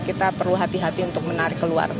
kita perlu hati hati untuk menarik keluar